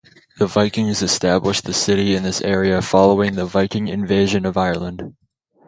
The Vikings established the city in this area following the Viking Invasion of Ireland.